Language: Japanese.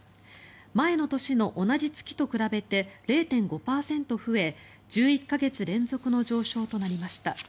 前の年の同じ月と比べて０．５％増え１１か月連続の上昇となりました。